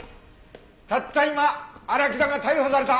たった今荒木田が逮捕された。